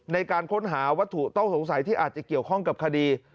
ในการค้นหาวัตถุต้องสงสัยที่อาจจะเกี่ยวข้องกับคดี